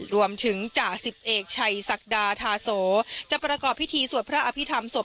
จ่าสิบเอกชัยศักดาธาโสจะประกอบพิธีสวดพระอภิษฐรรมศพ